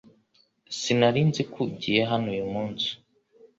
Sinari nzi ko ugiye hano uyu munsi